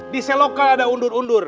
di selokan ada undur undur